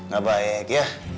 gak baik ya